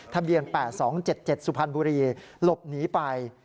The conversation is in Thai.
ทะเบียน๘๒๗๗สุพรรณบุรีหลบหนีไป